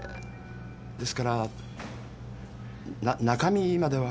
ですからな中身までは。